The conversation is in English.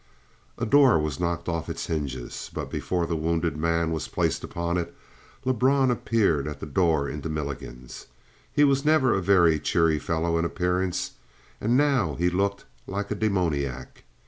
A door was knocked off its hinges. But before the wounded man was placed upon it, Lebrun appeared at the door into Milligan's. He was never a very cheery fellow in appearance, and now he looked like a demoniac.